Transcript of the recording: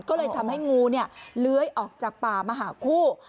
ก็เลยทำให้งูเลื้อยออกจากป่ามาหาคู่